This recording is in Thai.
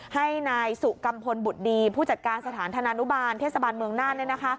ให้นายสุกัมพลบุตรดีผู้จัดการสถานธนานุบาลเทศบาลเมืองน่าน